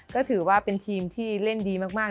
ก็ถือว่าเป็นทีมที่เล่นดีมาก